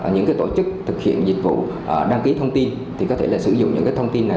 những tổ chức thực hiện dịch vụ đăng ký thông tin thì có thể sử dụng những thông tin này